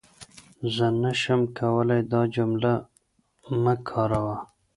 زه نشم کولای دا جمله مه کاروئ.